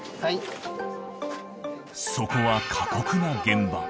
そこは過酷な現場。